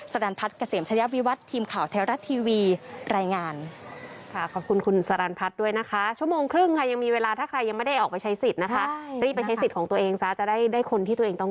สรรพัฒน์กระเสมชัยวิวัฒน์ทีมข่าวแท้รัฐทีวีรายงาน